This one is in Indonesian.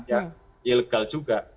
ya ilegal juga